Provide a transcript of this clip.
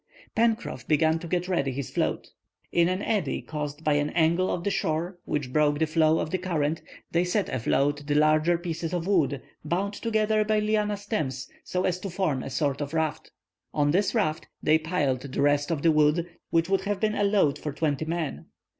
Pencroff began to get ready his float. In an eddy caused by an angle of the shore, which broke the flow of the current, they set afloat the larger pieces of wood, bound together by liana stems so as to form a sort of raft. On this raft they piled the rest of the wood, which would have been a load for twenty men.